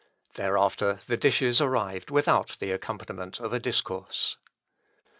Thereafter the dishes arrived without the accompaniment of a discourse.